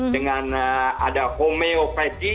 dengan ada homeopathy